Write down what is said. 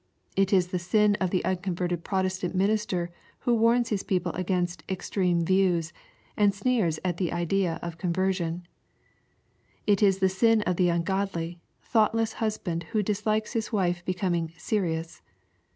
— It is the sin of the unconverted Protestant minister who warns his people against " extreme views," and sneers at the idea of con version.— It is the sin of the ungodly, thoughtless husband who dislikes his wife becoming " serious."